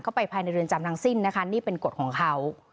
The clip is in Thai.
ไปภายในเรือนจำทั้งสิ้นนะคะนี่เป็นกฎของเขา